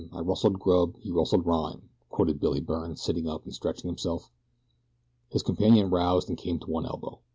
I rustled grub, he rustled rhyme,'" quoted Billy Byrne, sitting up and stretching himself. His companion roused and came to one elbow.